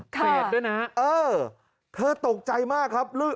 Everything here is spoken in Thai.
เต็ดด้วยนะเธอตกใจมากครับ